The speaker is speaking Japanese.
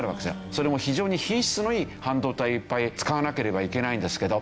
それも非常に品質のいい半導体をいっぱい使わなければいけないんですけど